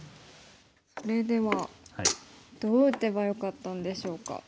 それではどう打てばよかったんでしょうか。